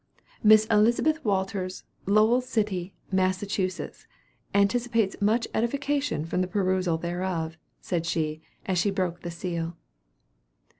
Miss Elizabeth Walters, Lowell City, Massachusetts, anticipates much edification from the perusal thereof," said she, as she broke the seal.